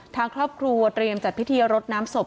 ทางครอบครัวเตรียมจัดพิธีรดน้ำศพ